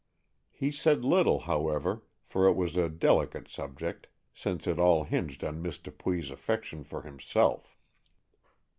He said little, however, for it was a delicate subject, since it all hinged on Miss Dupuy's affection for himself.